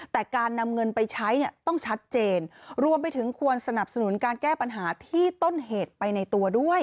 แต่การนำเงินไปใช้เนี่ยต้องชัดเจนรวมไปถึงควรสนับสนุนการแก้ปัญหาที่ต้นเหตุไปในตัวด้วย